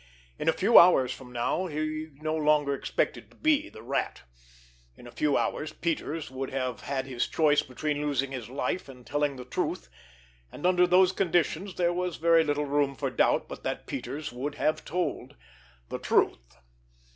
In a few hours from now he no longer expected to be the Rat; in a few hours Peters would have had his choice between losing his life and telling the truth, and under those conditions there was very little room for doubt but that Peters would have told—the truth.